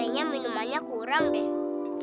kayaknya minumannya kurang deh